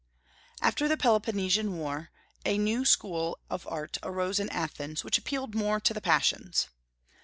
After the Peloponnesian War a new school of art arose in Athens, which appealed more to the passions.